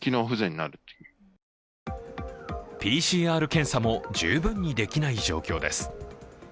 ＰＣＲ検査も十分にできない状況です。